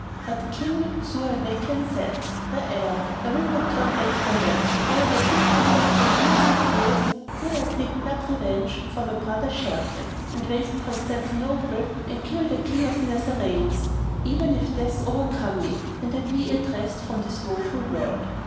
But King Zau al Makan said, "By Allah, I will not turn back from them, though I sit here for years and years, till I take blood revenge for my brother Sharrkan and waste Constantinople and kill the King of the Nazarenes, even if death overcome me and I be at rest from this woeful world!"